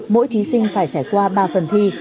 mỗi thí sinh phải trải qua ba phần thi